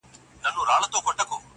خیر حتمي کارونه مه پرېږده، کار باسه.